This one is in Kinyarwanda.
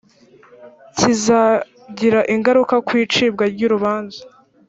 kizagira ingaruka ku icibwa ry’urubanza